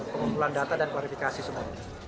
pengumpulan data dan kualifikasi semua